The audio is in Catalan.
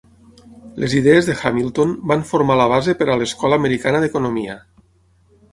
Les idees de Hamilton van formar la base per a l'"Escola Americana" d'economia.